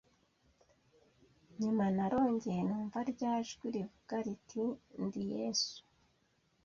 Nyuma narongeye numva rya jwi rivuga riti:”Ndi Yesu